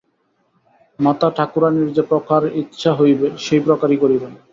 মাতাঠাকুরাণীর যে প্রকার ইচ্ছা হইবে, সেই প্রকারই করিবেন।